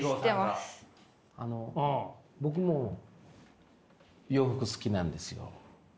あの僕も洋服好きなんですよ。